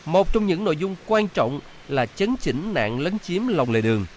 một trong những nội dung quan trọng là chấn chỉnh nạn lấn chiếm lòng lệ đường